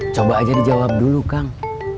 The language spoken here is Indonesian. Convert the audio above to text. coba aja dijawab dulu kang